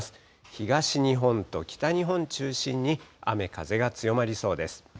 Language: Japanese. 東日本と北日本中心に、雨風が強まりそうです。